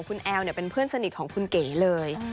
คุณแอลเป็นเพื่อนสนิทของคุณเก๋เลย